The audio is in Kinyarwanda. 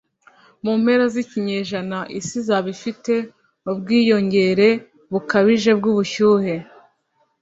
Mu mpera zikinyejana isi izaba ifite ubwiyongere bukabije bwubushyuhe